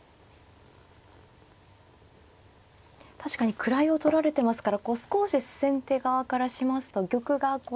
確かに位を取られてますから少し先手側からしますと玉が狭い感じが。